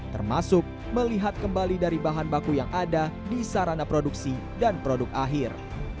termasuk melihat kembali dari bahan baku yang ada di sarana produksi dan produk akhir